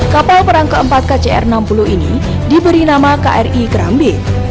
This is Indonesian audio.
kapal perang keempat kcr enam puluh ini diberi nama kri kerambi